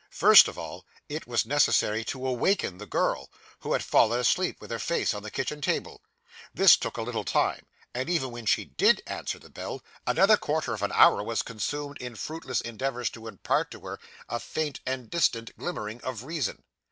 First of all, it was necessary to awaken the girl, who had fallen asleep with her face on the kitchen table; this took a little time, and, even when she did answer the bell, another quarter of an hour was consumed in fruitless endeavours to impart to her a faint and distant glimmering of reason.